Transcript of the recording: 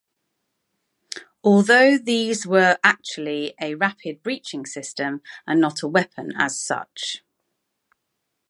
Although these were actually a rapid breaching system and not a weapon as such.